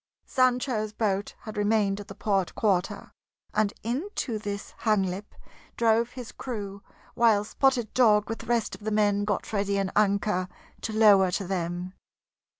Sancho's boat had remained at the port quarter, and into this Hanglip drove his crew while Spotted Dog with the rest of the men got ready an anchor to lower to them.